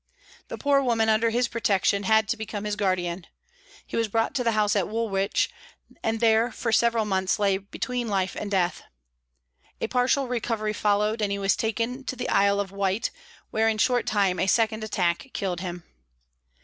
The poor woman under his protection had to become his guardian. He was brought to the house at Woolwich, and there for several months lay between life and death. A partial recovery followed, and he was taken to the Isle of Wight, where, in a short time, a second attack killed him.